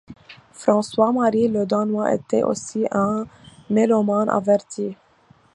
François Marie le Danois était aussi un mélomane averti.